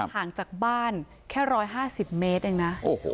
ห่างจากบ้านแค่๑๕๐เมตรเองนะ